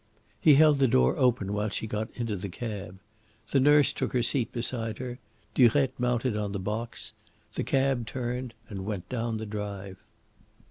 He held the door open while she got into the cab. The nurse took her seat beside her; Durette mounted on the box. The cab turned and went down the drive.